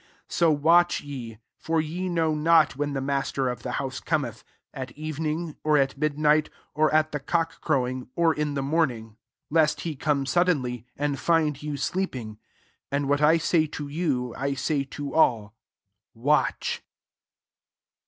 35 So watch ye : for ye know not when the master of the house Cometh; at evening, or at midnight, or at the cock crowing, or in the morning : 36 9a MARK XIV. lest he come saiddeAl}^, and find yon sleeping. ST And what I say to you, I say to all : Watch.